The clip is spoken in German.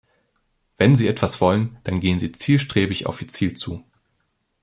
Wenn Sie etwas wollen, dann gehen Sie zielstrebig auf Ihr Ziel zu.